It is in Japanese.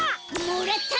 もらった！